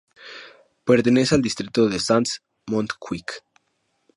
Pertenece al distrito de Sants-Montjuic.